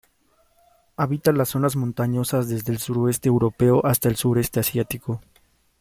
Habita las zonas montañosas desde el suroeste europeo hasta el sureste asiático.